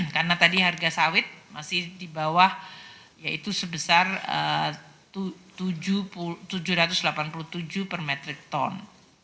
karena tadi harga sawit masih di bawah yaitu sebesar tujuh ratus delapan puluh tujuh per metric ton